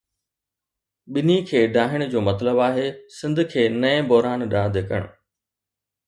ٻنهي کي ڊاهڻ جو مطلب آهي سنڌ کي نئين بحران ڏانهن ڌڪڻ.